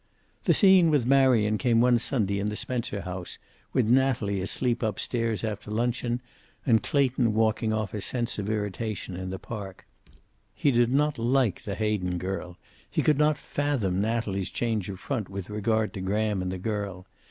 The scene with Marion came one Sunday in the Spencer house, with Natalie asleep up stairs after luncheon, and Clayton walking off a sense of irritation in the park. He did not like the Hayden girl. He could not fathom Natalie's change of front with regard to Graham and the girl.